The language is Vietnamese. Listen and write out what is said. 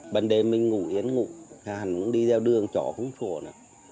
bần đêm mình ngủ yên ngủ hẳn đi theo đường chó không sổ nữa